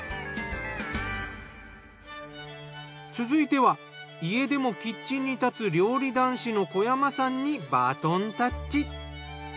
続いては家でもキッチンに立つ料理男子の小山さんにバトンタッチ。